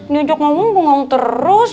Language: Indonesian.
nujuk ngomong ngomong terus